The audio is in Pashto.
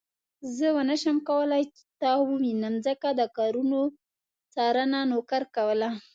زه ونه شوم کولای تا ووينم ځکه د کارونو څارنه نوکر کوله.